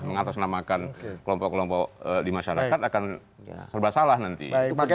mengatasnamakan kelompok kelompok di masyarakat akan serba salah nanti